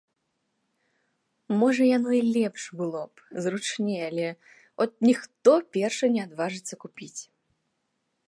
Можа, яно і лепш было б, зручней, але от ніхто першы не адважыцца купіць.